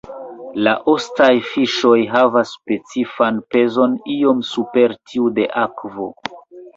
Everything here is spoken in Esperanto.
La ostaj fiŝoj havas specifan pezon iom super tiu de akvo.